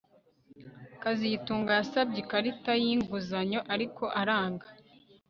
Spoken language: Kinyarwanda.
kazitunga yasabye ikarita yinguzanyo ariko aranga